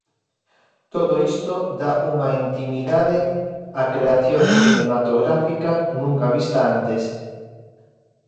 Todo isto dá unha intimidade á creación cinematográfica nunca vista antes.